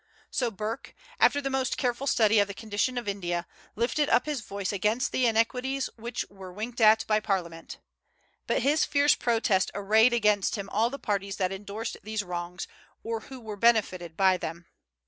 So Burke, after the most careful study of the condition of India, lifted up his voice against the iniquities which were winked at by Parliament. But his fierce protest arrayed against him all the parties that indorsed these wrongs, or who were benefited by them.